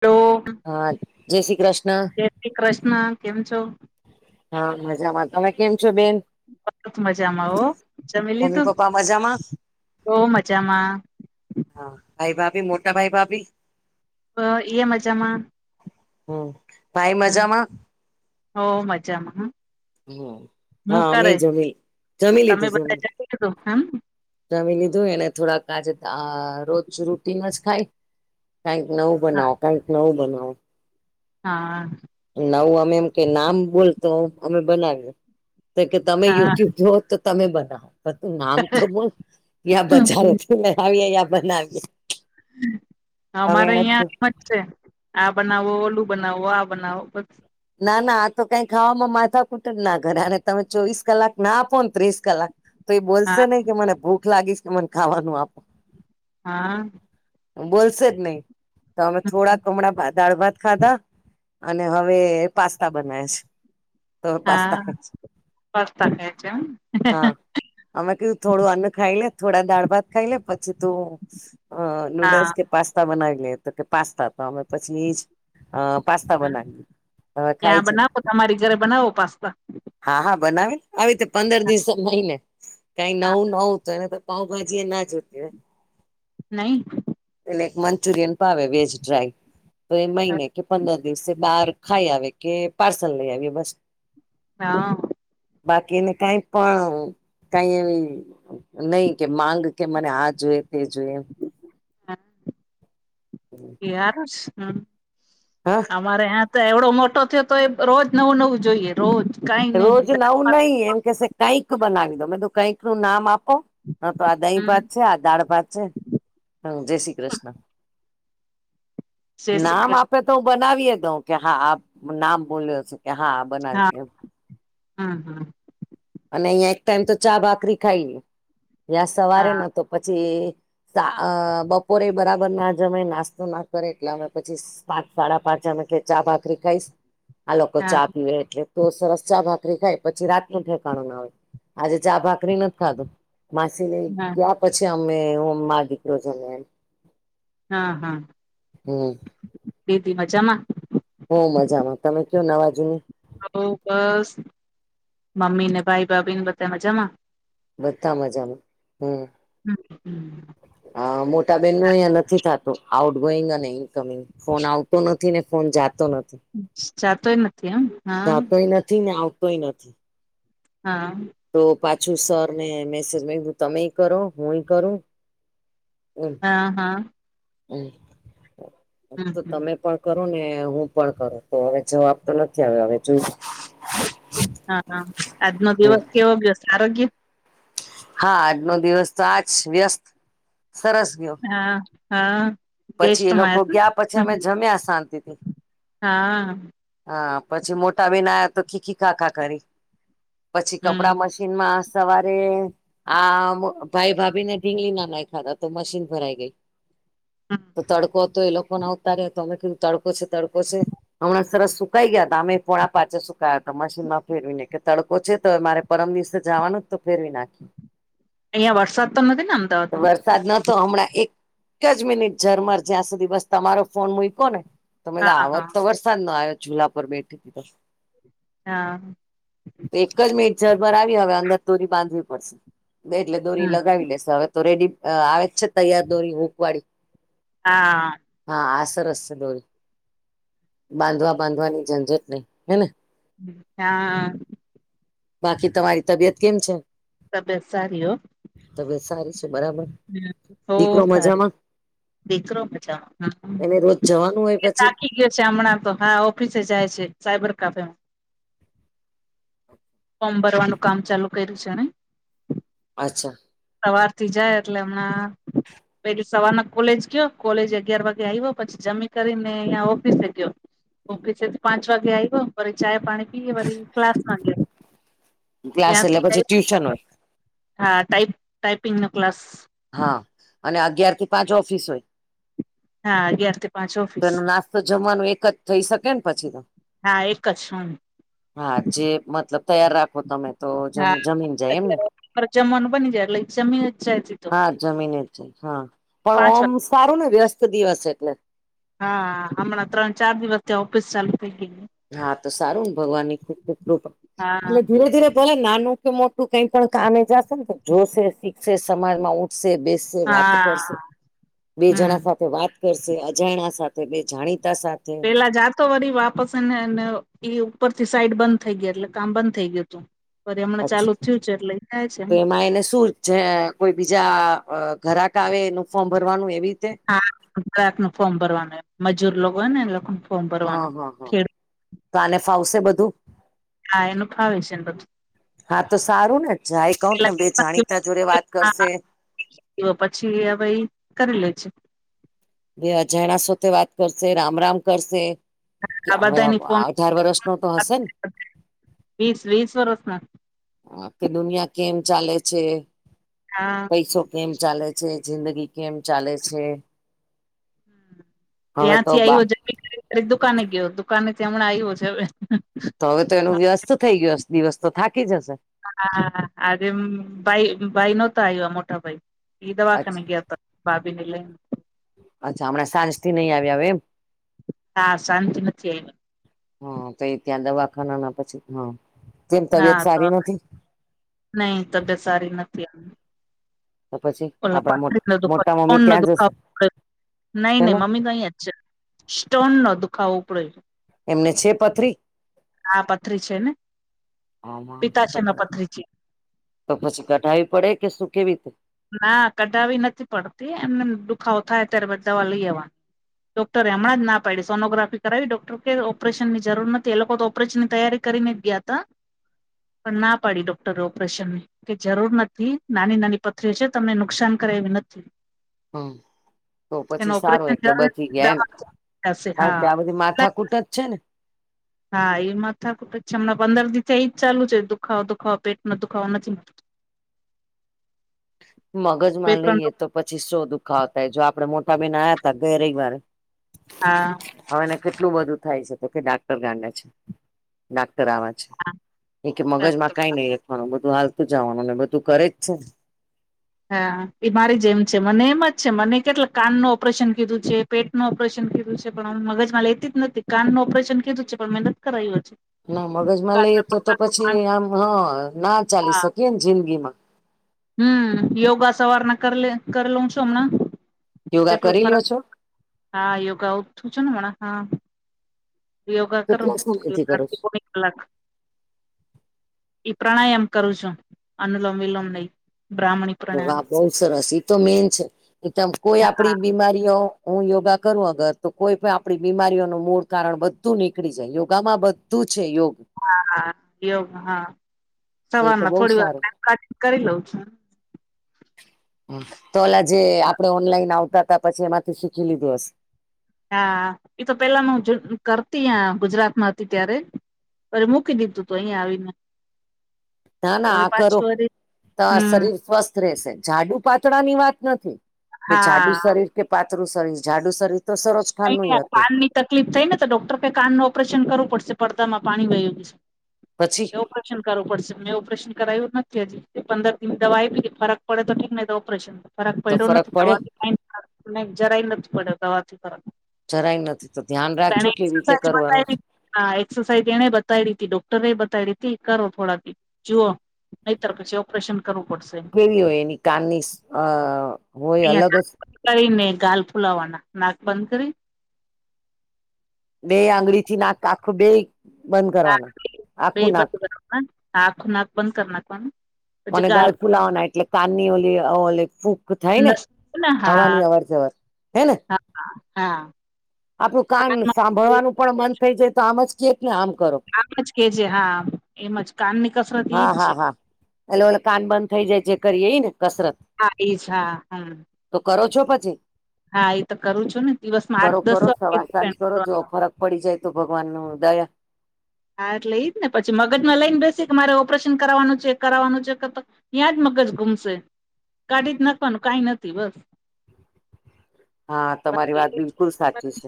Hello હા જય શ્રી કૃષ્ણ. જય કૃષ્ણ કેમ છો. હા મજામાં તમે કેમ છો બેન. બ મજામાં ઓ જમીલી મમ્મી તું પપ્પા મજામાં બ મજામાં. હા ભાઈ ભાભી મોટા ભાઈ ભાભી અ એ મજામાં. હમ ભાઈ મજામાં? હોવ મજામાં હા. હમ હા અમે જમી જમી તમે લીધું બધા જમી લીધું એમ જમી લીધું અને થોડાક આજે રોજ રૂટી ન જ ખાય. કઈક નવું હા બનાવો કંઈક નવું બનાવો. હા. નવું અમે એમ કે નામ બોલ તો અમે બનાવી એ તો કે તમે હા યુટ્યુબ જોઓ તો તમે બનાવો તું નામ તો બોલ યા બચાર લવીએ યા બનાવીએ. હવે અમારે એને એમ જ છે આ બનાવો ઓલું બનાવો આ બનાવો. ના ના આ તો કઈ ખાવામાં માથા કુટ જ ના કરેને તમે ચોવીસ કલાક ના આપો ને ત્રીસ કલાક તો એ બોલશે હા નહી કે મને ભૂખ લાગીશ કે મને ખાવાનું આપ. હા. બોલશે જ નહી તો અમે થોડા હમડા દાળ ભાત ખાધા અને હવે પાસ્તા બનાવે છે. તો પાસ્તા હા ખાય છે હા [unintelligible] અમે ક થોડું અન ખાઈ લે થોડા દાળ ભાત ખાઈ લે પછી તું અ નૂડલ્સ હા કે પાસ્તા બનાવી લે તો કે પાસ્તા તો ભાવે પછી અ પાસ્તા બનાવી. હવે ખાય ત્યાં છે બનાવો તમારી ઘરે બનાવો પાસ્તા. હા હા બનાવે આવી રીતે પંદર દિવસ મહિને કઈ હા નવું નવું તને તો પાઉભાજી એ ના જોતી નહીં. એટલે એક મંચુરિયન પાવે વેજ ડ્રાય તો એ મહિને કે પંદર દિવસે બાર ખાઈ આવે કે પાર્સલ લઈ આવીએ બસ. હા. બાકીને કાઈ પણ કાઈ એવી નહી કે માંગ કે મને આ જોએ તે જોઈ. [inaudible] [inaudible] [inaudible] હા. અમારે હ્યાં તો એવડો મોટો થયો તો એ રોજ નવું નવું જોઈએ રોજ. કઈ નહી રોજ નવું નહી એમ કેશે કંઈક બનાવી દો મે તું કંઈક નું નામ આપો. હા તો આ દહી હમ ભાત છે આ દાળ ભાત છે હમ જય શ્રી કૃષ્ણ. જય શ્રી નામ કૃષ્ણ આપે તો હું બનાવીય દઉં કે હા નામ બોલ્યો છે કે હા. બનાવી એમ. હમ, હમ. અને અહીં એક ટાઈમ તો ચા ભાકરી ખાઈ લૈ યાં સવારે હા ને તો પછી સા બપોરે બરાબર ના જમે નાસ્તો ના કરે એટલે અમે પછી પાંચ સાડા પાંચ એમે કે ચા ભાખરી ખાઈશ. આ લોકો હા ચા પીવે એટલે તો સરસ ચા ભાખરી ખાય પછી રાત નું આજે ચા ભાકરી નથી ખાધું માસીને હા પછી અમે હું મા દીકરો છે ને એમ. હા, હા હમ બેબી મજામાં. હમ મજામાં તમે કયો નવા જુની. [unintelligible] બસ મમ્મી ને ભાઈ ભાભી બધા મજામાં. બધા મજામાં હમ. હમમ. હ મોટાબન નું અહિયાયા નથી થતું. આઉટ ગોઈંગ અને ઇનકમિંગ ફોન આવતો નથી ને ફોન જાતો નથી. જાતો નથી. એમ. જાતોય નથી ને આવતી. કોઈ નથી. હા. તો પાછું સર ને મેસેજ મા તમે કરો હું કરું. હમ. હા, હા. હમ હમ તો હમ તમે પણ કરું ને હું પણ કરું તો હવે જવાબ તો નથી આવ્યો હવે જોય. હા. આજનો દિવસ કેવો ગયો? સારો ગયો? હા. આજનો દિવસ તો આજ વ્યસ્ત, સરસ ગયો. હા હા. પછી એ ગેસ્ટમાં લોકો ગયા પછી હતા અમે જમ્યા શાંતિથી. હા હા પછી મોટા બન આયા તો ખીખી ખાકાા કરી. પછી હમ કપડામાં ીનમાં સવારે આ ભાઈ ભાભી ને ઢીંગલી ના ના ખ. તો મશીન ભરાઈ ગઈ. તો તડકો તો એ લોકો ના ઉતાર તો અમે કેધું તડકો છે તડકો છે. હમણાં સરસ સુકાઈ ગયા હતા. અમે ફોણા પાચા સુકાયા તો મશીન ન ફેરવીને કે તડકો છે તો મારે પરમ દિવસે જવાનું જ તો ફેરવી નાખી. અહિયાં વરસાદ તો નથી ને અમદાવાદમાં? ન તો હમણાં એક જ મિનિટ ઝરમર જ્યાં સુધી બસ તમારો ફોન મૂકો ને. તમે તો હા હા આવત તો વરસાદ ન આવ્યો જુલાપર બેઠી તો. હા. તો એક જ મિનટ જર પરર આવી હવે અંદર તોોરી બાંધવી પડશે. એટલે દોરી લગાવી લેસ હવે તો રેડી આવે જ છે તૈયાર દોરી હૂખવાળી. હા. હા આ સરસ છે. દોરી બાંધવા બાંધવાની ઝંઝટ નહી. હેને. હા. બાકી તમારી તબિયત કેમ છે? તબિયત સારી હો ત સારી છે. બરાબર. હો દીકરો સારી મજામાં? દીકરો મજામા. એને રોજ જવાનું હોય પછી? છે હમણાં તો હા ઓફિસે જાય છે સાયબર કાફેમાં. ફોર્મ ભરવાનું કામ ચાલુ કર્યું છે ને. અચ્છા. સવાર થી જાય એટલે હમણાં. પેલી સવારના કોલેજ ગયો કોલેજ અગિયાર વાગે આવ્યો. પછી જમી કરીને અહંયા ઓફિસે ગયો. ઓકે છે. પાંચ વાગે આવે. ચાય પાણી પીરી ક્લાસમાં લે. ક્લાસ એટલે પછી ટ્યુશન હોય હા ટાઈપિંગનો ક્લાસ. હા. અને અગિયાર થી પાંચ ઓફિસ હોય? હા અગિયાર થી પાંચ તો ઓફિસ એનો નાસ્તો જમવાનો એક જ થઈ શકેને પછી તો. છા. હા. જે મતલબ તૈયાર રાખો તમે તો હા જમીન જાય. એમ ને? અત્યારે જમવાનું બની જાય એટલે જમીને જાય. હા જમીન જ છે હા પણ પાંચ ઓમ વાગે સારું ને વ્યસ્ત દિવસ એટલે. હા હમણાં ત્રણ ચાર દિવસ ત્યા ઓફિસ ચાલુ થઇ ગય. હા તો સારું ને ભગવાન ની ખૂબ ખૂબપ હા એટ ધીરે ધીરે. તોલે નાનું કે મોટું કઈ પણ કામે જશે ને તો જોશે શીખશે સમાજમાં ઉઠશે બેસે. વાત કર હા બે હમ જણા સાથે વાત. કરશે અજાણા સાથે બે જાણીતા સાથે. પેલા જાતો વરી વાપસ ને ઈ ઉપર થી સાઈડ બંધ થઈ ગયા એટલે કામ બંધ થઈ ગયું હત. રી એમને ચાલુ થયું છે એટલે થાય છે એમ. મા એને શુંર.. જે કોઈ બીજા ઘરાક આવે એનું ફોર્મ ભરવાનું એવી. હારાક નું ફોર્મ ભરવાનું મજૂર લોકો હોય ને એ લોકો. હા હા હા તો આને ફાવશે બધું? હા એનું ભાવે છે એ. હા તો સારું ને જાય કઉ ને બે જાણીતા જોડે વાત કરશે. તો પછી હવે કરી લેજ. બે અજાણા સાથે વાત કરશે રામ રામ કરશે. કે આ હવે બધાની ફોન અઢાર વર્ષ ન તો હશેને. વીસ વીસ વર્ષના કે દુનિયા કેમ ચાલે છે. હા. પૈસો કેમ ચાલે છે જિંદગી કેમ ચાલે છે. હવે તો ત્યાંથી બા આવ્યો જ ખ દુકાને ગયો દુકાાનથી હમણાં આવ્યો છે હવે. તો હવે તો એનું વ્યસ્ત થઈ ગયો હ દિવસ તો થાકી જ હશે. હા આરેે બાઈ ભઈ નહોતા આવ્યો મોટા ભાઈ. દવાખ અચ્છા ન ગયા હતા ભાભીને લઈને. અચ્છા હમણા સાંજથી નહી આવે આવે એમ. હા શાંતિ નથી આવી. હા પઈ ત્યાં દવાખાનાના પછી હા. કેમ તબિયત હા તો સારી નથી નહી તબિયત સારી નથી આ. તો પછી ઓ આપડા મો દુખ મોટા કો મમ્મી ન ત્યાં દુખ જશે નહી ન હેને મમ્મી કઈ છે. સ્ટોન નો દુખાવો પડ્યો. એમને છે પથરી. આમાં પિતા તો શંગપત્રી છે. તો પછી કઢાવી પડે કે સુ કેવી રીતે. ના કઢાવી નથી પડતી એમને દુખાવો થાય ત્યારેધ દવા લઈ અવાનું. ડોક્ટરે હમણાં ના પાડી સોનોગ્રાફ કરાવી ડોક્ટર કે ઓપરેશનની જરૂર નથી એ લોકો તો ઓપરેશનની તૈયારી. કરીને ગ્યાતા. પણ ના પાડી ડોક્ટરે ઓપરેશન કે જરૂર નથી નાની નાની. પથરી છે તમને નુકસાન કરાય એવી નથી. હમ તો પછી એનું સારો ઓપરેશન એટલે જરૂર બચી ગયા એમ. થશે કારા હા કે આ બધી માથા કૂટ જ છે ને હા એમાં થક પછી હમણાં પંદર દિવસથી એજ ચાલુ છે દુખો દુખાવો પેટ ન દુખાવો નથી. [unintelligible] બે મગજમાં ત્રણ લઈએ તો પછી શો દુખાવતાાય જો આપડે મોટાબેન આવ્યા હતા ગે રવિવાર. હા. હવે કેટલું બધું થાય છે તો કે ડાક્ટર ગાંડા છે ડાક્ટર આવવા. એ કે મગજ માં હા કઈ નહી લખવાનું બધું હાલતું જવાનું ને બધું કરે જ છે ને. હા એ મારી જે એમ છે મને એમ જ છે મને કેટલા કાન ન ઓપરેશન કીધું છે. પેટ નું ઓપરેશન કરું છે પણ મગજમાં લેતી જ નથી કાન ન ઓપરેશન કરું છે પણ મેં નથી કરાયું હજુ. ના મગજમાં લઈએ તો તો પછી આમ હા ના ચાલી શકીએ ને જિંદગી માં. હમ યોગા સવાર ના કર કરી લઉ છું અમણા. યોગા કેટલો કરી ફરક લ્યો છો હા યોગા ઉ થું છે ને મ હા. યોગા કરો. કેટલા સમયથી કરો ઈ પ્રાણાયામ કરું છું અનુલોમ વિલોમ નઈ. પામાણિક. વા બહુ સરસ એ તો મેન છે. એ ત કોઈ હા આપડી બીમારીઓ હું યોગા કરું અગર તો કોઈ પણ આપડી બીમારીઓનું મૂળ કારણ બધું નીકળી જાય. યોગામાં તું છે યોગ? હા યોગ હા તો એ તો સવારમાં બહુ થોડી વાર સારું ટ ક કરી લઉં છું. તો અલા જે આપડે ઓનલાઈન આવતા હતા પછી એમાંથી શીખી લીધું હશે. હા એતો પેલા હ કરતી ગુજરાતમાં હતી ત્યારે અરે મૂકી દીધું તો અહીયાયા આવીને. ના ના હવે આ કરો પાછું વરી તમાર હમ શરીર સ્વસ્થ રહેશે જાડુ પાતળા ની વાત નથી કે જાડુ હા શરીર કે પાતળું શરીર ઝાડું શરીર તો સરશ. નઈ કાનની તકલીફ થઈ ને તો ડોક્ટર કાન ન ઓપરેશન કરવું પડશે પડદામાં પાણી વય્યું છે. પછી. ઓપરેશન કરવું પડશે. મેં ઓપરેશન કરાયું નથી. હજી પંદર દિ દવા આપ ફરક પડે તો ઠીકહી તો ઓપરેશન. ફરક તો પડ્યો નથી. પડ્યો દવાથી કઈ જરાય નથી પડ્યો દવાથી ફરક. જરાય નથી તો ધ્યાન એને રાખજો કેવી રીતે એક્સરસાઇઝ કરવાનું છે. બતાવી હા. એક્સરસાઇઝ એને બતાવી તી ડોક્ટરે બતાવી તી કરો થોડાક. જુઓ નહી તર પ ઓપરેશન. કરવું પડશે. કેવી હોય એની કાનની અ હોય અહિયાં અલગ જ? કરીને ગાલ ફુલાવાના નાક બંધ કરી. બે આંગળી થી નાક આખું બે બંધ કરવાનું આખું નાક. ના નાાક નાક બંધ કરના પણ મ ગળ ફુલાવાના એટલે કાની ઓ ઓ ફૂક થાય ને નસ ને હા હવાની અવાર જવર હે ને. હા હા. આપણું કાન કાનમાં સાંભળવાનું પણ મન થઈ જાય તો આમ જ કેકને આમ કરો. આમજ કે છે હા એમ જ કાન ની કસરત એજ છે. એલે ઓલે કાન બંધ થઈ જાય છે કરી એ ને કસરત. હા એઈછ હા હા. તો કરો છો પછી? હા એ તો કરું છું ને દિવસમાં આઠ કરો દસ કરો વાર સવાર કીધું છે સાંજ એને કરો જો કરવાનું. ફરક પડી જાય તો ભગવાન ન દયા. હા. એટલે એ જ ને પછી મગજમાં લઈને બેસી કે મારે ઓપરેશન કરવાવાનું છે કરવાનું છે કે તો તયાં જ મગજ ગુમસે. કાઢી જ નાખવાનું કઈ નથી બસ હા તમારી બાકી વાત બિલકુલ સાચી છે.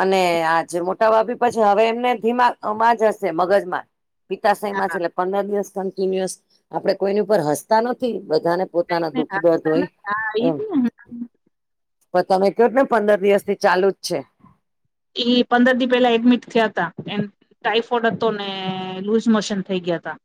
અને આજ મોટા ભપી પછી હવે એમને ધીમામાં જ હશે મગજમાં પિતાશહી માં છે. એટલે પંદર દિવસ કન્ટિન્યુઅસ આપડે કોઈની ઉપર હસતા નથી બધાને. પોતાના દુઃખ હા દર્દ હોય ઈ એમ. જ ને પણ તમે કહો ને પંદર દિવસ થી ચાલુ જ છે. એ પંદર દિન પેલા એડમિટ થયા હતા એ. ટાઈફોઇડ હતો ને લુઝ મોશન થઈ ગયા હતા.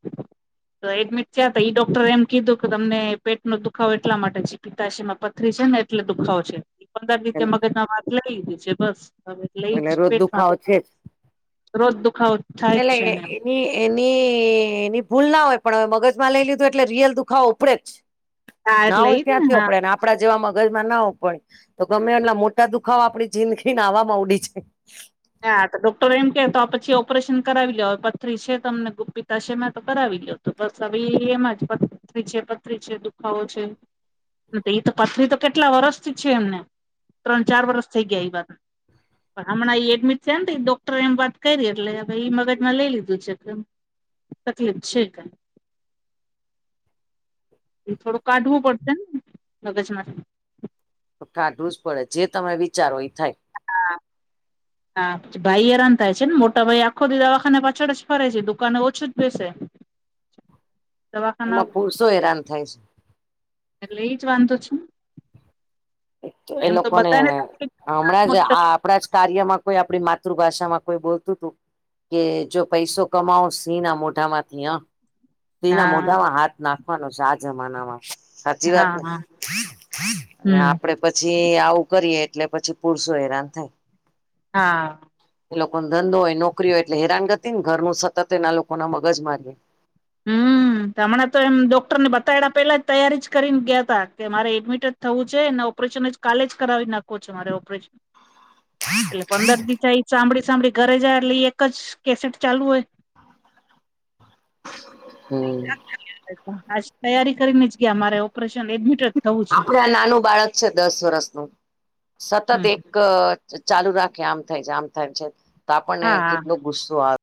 તો એડમિટ થયા તો ડોક્ટરે એમ કીધું કે તમને પેટ નો દુખાવ એટલા માટે છે. પિતાશી માં પથરી છે ને એટલે દુખાવો છે પંદર છે દિવસે મગજ ના વાત લઈીધી છે બસ હવે. લઈ એટલે રોજ પેટમાં દુ દુખાવો છે રોજ દુખાવ એલે. એ એની એની ભૂલ ના હોય પણ હવે મગજમાં લઈ લીધું એટલે રિયલ દુખાવો ઉપડે જ. હા ના એટલે હોય ઈ જ ને ત્યાંથી હા આપડે. આપડા જેવા મગજમાં ના હોવ પડે તો ગમે એમલા મોટા દુખાવો આપણી જિંદગીને આવામાં ઉડી જાય. હા તો ડોક્ટર એમ કે તો આ પછી ઓપરેશન કરાવી લ્યો પથરી છે તમને ગુપ્પિતા છે મેમાં તો કરાવી લ્યો. તો બસ હ એમાં જ પરી છે પથરી છે દુખાવો છે. એ તો પથરી તો કેટલા વરષથી છે એમને ત્રણ ચાર વરષ થઇ ગયા એ વાત. હમણાં એ ડમિટ થ્યાન તે ડોક્ટરે એમ વાત કરી એટલે ભઈ મગજમાં લઈ લીધું છે કેમ. તકલીફ છેક. થોડો કાઢવો પડતો ને લગચમાં. તો કાઢવું જ પડે જે તમે વિચારો એ થાય. હા. હા ભાઈ હેરાન થાય છે ને મોટા ભાઈ આખોદી દવાખાને પાછળ જ ફરે છે દુકાને ઓછું જ બેસે. . એમાં પુરુષો હેરાન થાય છે. એટલે ઈ જ વાંધો છું. તો એ લોકોને તકલીફ હમણાં જ મોટી તકલીફ આપ આપણા જ કાર્યમાં કોઈ આપણી માતૃભાષામાં કોઈ બોલતું તું કે જો પૈસો કમાઓ સિંહ ના મોઢામાંથી આ સિંહના હા મોઢામાં હાથ નાખવાનો છે આ જમાનામાં. સાચી હા વાતને હા અને હમ આપડે પછી આવું કરીએ એટલે પછી પુરસો હેરાન થાય. હા. એ લોકોન ધંધો હોય નોકરી હોય એટલે હેરાનગતિ ન ઘરનું સતત એના લોકો ના મગજ મારી રયે. હમ હમણાં તો એમ ડોક્ટર ને બતાયડા પેલા જ તૈયારી જ કરીન ગ્યાતા કે મારે એડમિટ થવું છે ને ઓપરેશન જ કાલે જ કરાવી નાખો છો મારે ઓપરેશન. એટલે પંદર દિવસે એ સાંભળી સાંભળી ઘરે જાય એટલે એ એક જ કેસેટ ચાલુ હોય. હમ. આજ તૈયારી કરીને જ ગ્યા મારે ઓપરેશન એડમિટ જ થવું છે આપડે આ નાનું બાળક છે દસ વર્ષ નું સતત હમ એક ક ચ ચાલુ રાખે આમ થાય છે આમ થાય છે તો આપણને હા કેટલો ગુસ્સો આવ